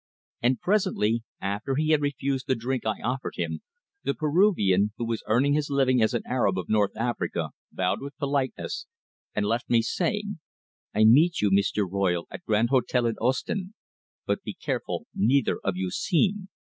And presently, after he had refused the drink I offered him, the Peruvian, who was earning his living as an Arab of North Africa, bowed with politeness and left me, saying: "I meet you, Mee ster Royle, at Grand Hotel in Ostend. But be careful neither of you seen.